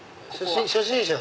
初心者。